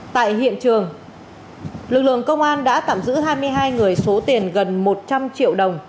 tại hiện trường lực lượng công an đã tạm giữ hai mươi hai người số tiền gần một trăm linh triệu đồng